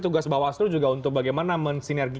tugas bawaslu juga untuk bagaimana men sinergi